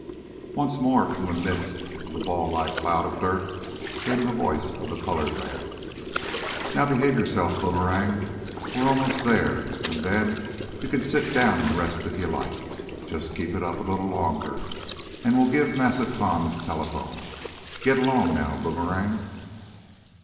Once more, from the midst of the ball like cloud of dirt came the voice of the colored man: "Now behave yo'se'f, Boomerang. We'm almost dere an' den yo' kin sit down an' rest if yo' laik. Jest keep it up a little longer, an' we'll gib Massa Tom his telephone. G'lang now, Boomerang."